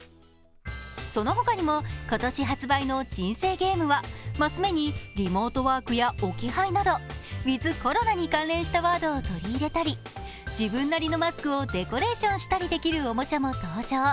その他にも今年発売の人生ゲームは升目にリモートワークや置き配などウィズ・コロナに関連したワードを取り入れたり、自分なりのマスクをデコレーションしたりできるおもちゃも登場。